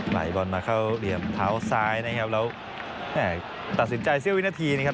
ไหลบอลมาเข้าเหลี่ยมเท้าซ้ายนะครับแล้วตัดสินใจเสี้ยวินาทีนะครับ